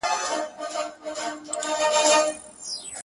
په تلاښ د وظیفې سوه د خپل ځانه،